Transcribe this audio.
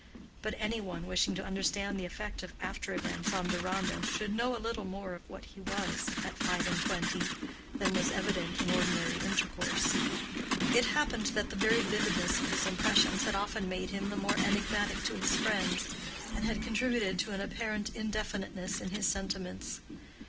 But any one wishing to understand the effect of after events on Deronda should know a little more of what he was at five and twenty than was evident in ordinary intercourse. It happened that the very vividness of his impressions had often made him the more enigmatic to his friends, and had contributed to an apparent indefiniteness in his sentiments.